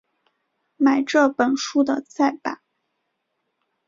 买这本书的再版